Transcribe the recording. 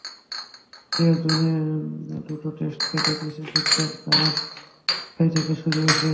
অস্ট্রেলিয়াও জুনে দুটো টেস্ট খেলে দেশে ফিরেছে, কারণ জুলাই থেকেই শুরু অ্যাশেজ।